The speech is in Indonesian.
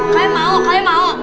kalian mau kalian mau